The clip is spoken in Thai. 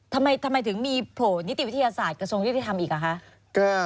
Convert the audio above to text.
ทำไมถึงมีโผล่นิติวิทยาศาสตร์กระทรวงยุติธรรมอีกอ่ะคะ